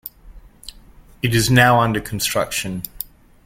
It is now under construction.